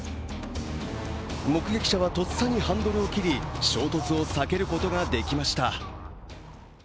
目撃者はとっさにハンドルを切り、衝突は避けることができました。